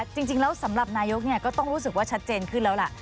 จริงแล้วสำหรับนายกก็ต้องรู้สึกว่าชัดเจนขึ้นแล้วล่ะ